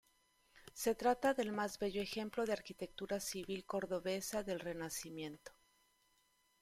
Se trata del más bello ejemplo de arquitectura civil cordobesa del Renacimiento.